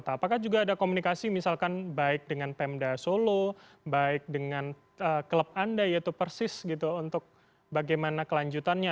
apakah juga ada komunikasi misalkan baik dengan pemda solo baik dengan klub anda yaitu persis gitu untuk bagaimana kelanjutannya